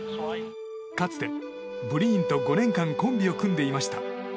かつて、ブリーンと５年間コンビを組んでいました。